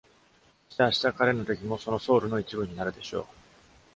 そして、明日、彼の敵も、そのソウルの一部になるでしょう。